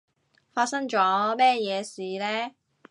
發生咗咩嘢事呢？